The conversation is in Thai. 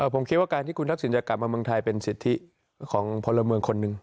ผมคิดว่าการที่คุณทักษิณจะกลับมาเมืองไทยเป็นสิทธิของพลเมืองคนหนึ่ง